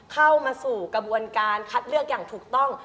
เข้ามาสู่กระบวนการคัดเลือกอย่างถูกต้อง